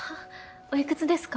おいくつですか？